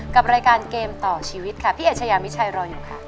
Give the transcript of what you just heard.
กับรายการเกมต่อชีวิตค่ะพี่เอชยามิชัยรออยู่ค่ะ